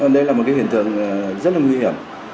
đây là một cái hiện tượng rất là nguy hiểm